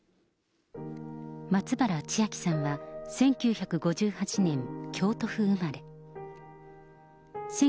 松原千明さんは、１９５８年、京都府生まれ。